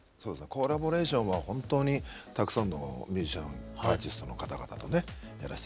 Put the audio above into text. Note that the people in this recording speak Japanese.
コラボレーションは本当にたくさんのミュージシャンアーティストの方々とねやらせていただいていますからね。